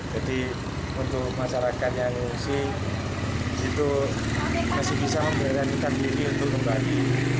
jadi untuk masyarakat yang masih bisa memberikan ikan milik untuk kembali